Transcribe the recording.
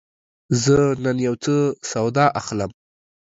زه نن یوڅه سودا اخلم.